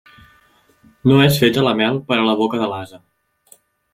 No és feta la mel per a la boca de l'ase.